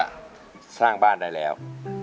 ก็สร้างบ้านได้แล้ว